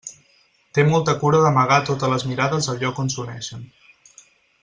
Té molta cura d'amagar a totes les mirades el lloc on s'uneixen.